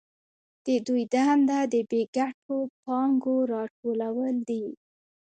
د دوی دنده د بې ګټو پانګو راټولول دي